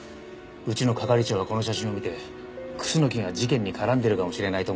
うちの係長はこの写真を見て楠木が事件に絡んでるかもしれないと思ったんだな。